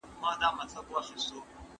که ټولنيز بدلون راسي نو پرمختګ به ګړندی سي.